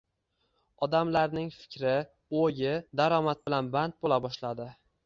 Odamlarning fikri-oʻyi daromad bilan band boʻla boshladi.